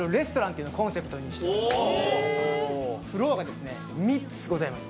フロアが３つございます。